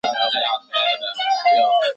鲫鱼藤是夹竹桃科鲫鱼藤属的植物。